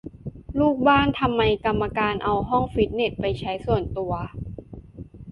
ลูกบ้าน : ทำไมกรรมการเอาห้องฟิตเนสไปใช้ส่วนตัว